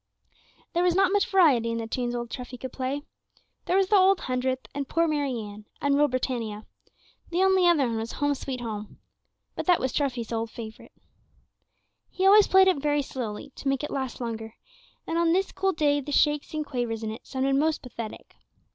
There was not much variety in the tunes old Treffy could play. There was the "Old Hundredth," and "Poor Mary Ann," and "Rule Britannia;" the only other one was "Home, sweet Home," but that was old Treffy's favorite. He always played it very slowly, to make it last longer, and on this cold day the shakes and the quavers in it sounded most pathetic.